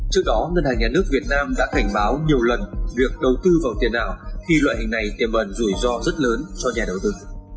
trước đó ngân hàng nhà nước việt nam đã cảnh báo nhiều lần việc đầu tư vào tiền ảo khi loại hình này tiềm ẩn rủi ro rất lớn cho nhà đầu tư